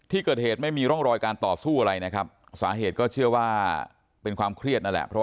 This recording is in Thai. ที่เกิดเหตุไม่มีร่องรอยการต่อสู้อะไรนะครับสาเหตุก็เชื่อว่าเป็นความเครียดนั่นแหละ